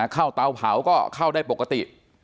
เตาเผาก็เข้าได้ปกติ